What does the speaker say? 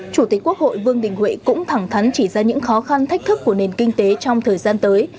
chủ tịch quốc hội vương đình huệ cũng thẳng thắn chỉ ra những khó khăn thách thức của nền kinh tế trong thời gian tới